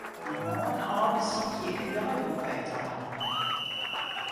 Fan moarn ôf besykje ik in deiboek by te hâlden.